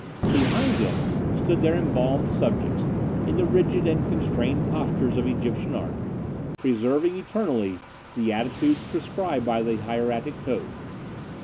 Behind them stood their embalmed subjects, in the rigid and constrained postures of Egyptian art, preserving eternally the attitudes prescribed by the hieratic code.